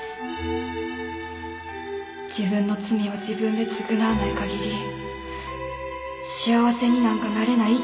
自分の罪を自分で償わない限り幸せになんかなれないって。